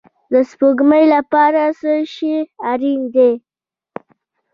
د سپوږمۍ لپاره څه شی اړین دی؟